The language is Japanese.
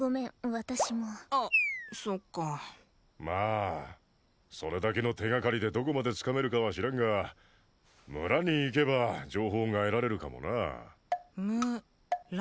私もあそっかまあそれだけの手がかりでどこまでつかめるかは知らんが村に行けば情報が得られるかもなあむら？